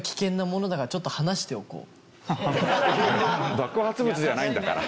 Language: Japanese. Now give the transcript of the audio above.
爆発物じゃないんだから。